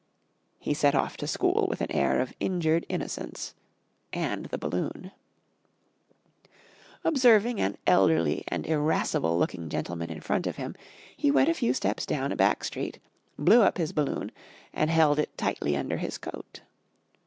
He set off to school with an air of injured innocence and the balloon. Observing an elderly and irascible looking gentleman in front of him, he went a few steps down a back street, blew up his balloon and held it tightly under his coat.